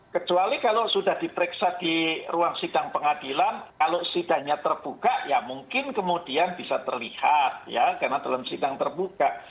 kecuali kalau sudah diperiksa di ruang sidang pengadilan kalau sidangnya terbuka ya mungkin kemudian bisa terlihat ya karena dalam sidang terbuka